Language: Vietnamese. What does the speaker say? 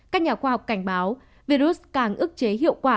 các nhà khoa học cảnh báo virus càng ức chế hiệu quả